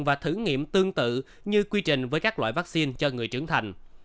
và thử nghiệm tương tự như quy trình với các loại vaccine cho người trưởng thành